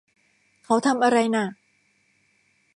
เขาทำอะไรน่ะ